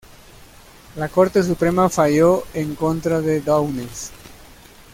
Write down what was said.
La Corte Suprema fallo en contra de Downes.